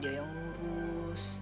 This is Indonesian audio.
dia yang ngurus